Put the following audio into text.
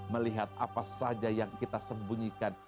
melihat apa saja yang kita sembunyikan